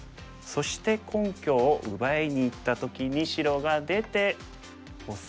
そして根拠を奪いにいった時に白が出て押さえて。